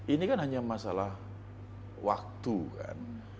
ini kan hanya masalah waktu kan